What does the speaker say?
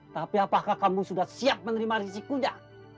tapi apakah kamu sudah siap menerima risikonya